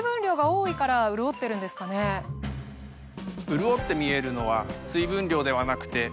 潤って見えるのは。